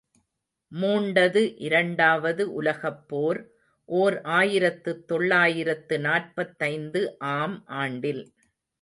மூண்டது இரண்டாவது உலகப் போர் ஓர் ஆயிரத்து தொள்ளாயிரத்து நாற்பத்தைந்து ஆம் ஆண்டில்!